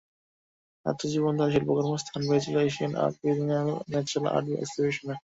ছাত্রজীবনেই তাঁর শিল্পকর্ম স্থান পেয়েছিল এশিয়ান আর্ট বিয়েন্নাল এবং ন্যাশনাল আর্ট এক্সিবিশনে।